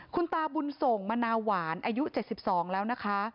คุณตาบุญส่งมะนาหวานอายุ๗๒แล้วนะคะ